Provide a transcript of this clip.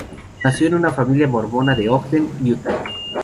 Nació en una familia mormona de Ogden, Utah.